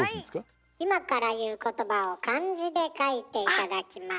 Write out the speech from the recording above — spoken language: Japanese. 今から言う言葉を漢字で書いて頂きます。